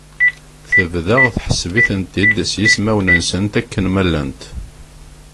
Tebda tḥesseb-itent-id s yismawen-nsent akken ma llant.